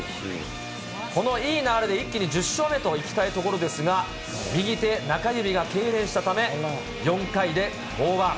このいい流れで一気に１０勝目といきたいところですが、右手中指がけいれんしたため、４回で降板。